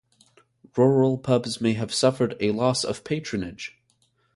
Rural pubs may have suffered a loss of patronage.